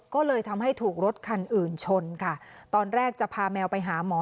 ก็เลยทำให้ถูกรถคันอื่นชนค่ะตอนแรกจะพาแมวไปหาหมอ